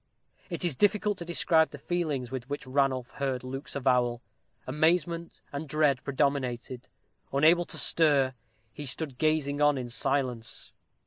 It is difficult to describe the feelings with which Ranulph heard Luke's avowal. Amazement and dread predominated. Unable to stir, he stood gazing on in silence.